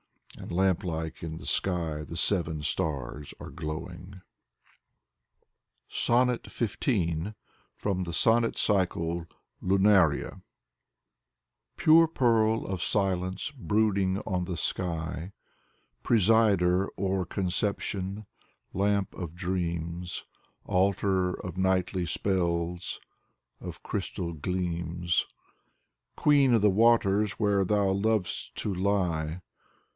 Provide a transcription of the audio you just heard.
And lamp like in the sky the Seven Stars are glowing. Ii6 Maximilian Voloshin SONNET XV (From the Sonnet cycle "Lunaria") Pure pearl of silence brooding on the sky, Presider o'er conception, lamp of dreams, Altar of nightly spells, of crystal gleams, Queen of the waters where thou lov'st to lie.